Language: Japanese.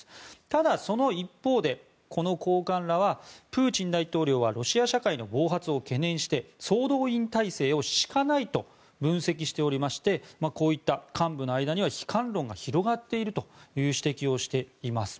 ただ、その一方でこの高官らはプーチン大統領はロシア社会の暴発を懸念して総動員体制を敷かないと分析しておりましてこういった幹部の間には悲観論が広がっているという指摘をしています。